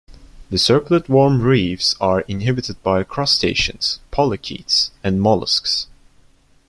The serpulid worm reefs are inhabited by crustaceans, polychaetes and mollusks.